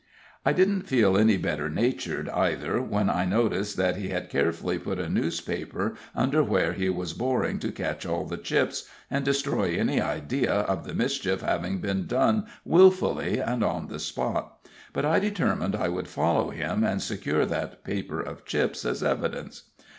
I didn't feel any better natured, either, when I noticed that he had carefully put a newspaper under where he was boring to catch all the chips, and destroy any idea of the mischief having been done wilfully and on the spot; but I determined I would follow him, and secure that paper of chips as evidence.